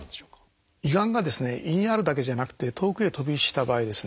胃がんが胃にあるだけじゃなくて遠くへ飛び火した場合ですね。